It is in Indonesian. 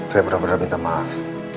saya benar benar minta maaf